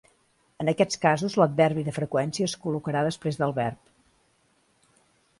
En aquests casos l'adverbi de freqüència es col·locarà després del verb.